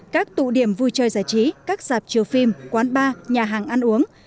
các tụ điểm vui chơi giải trí các giạp chiều phim quán bar nhà hàng ăn uống